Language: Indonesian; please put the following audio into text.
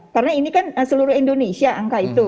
karena ini kan seluruh indonesia angka itu